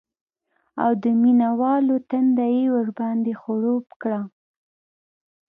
او د مینه والو تنده یې ورباندې خړوب کړه